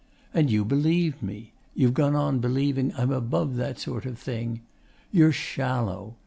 And you believed me. You've gone on believing I'm above that sort of thing. You're shallow.